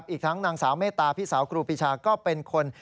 อีกทั้งนางสาวเมตตาพี่สาวครูปีชาก็เป็นคน